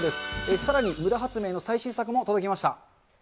さらにむだ発明の最新作も届きました。